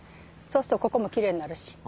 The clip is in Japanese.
そうするとここもきれいになるし。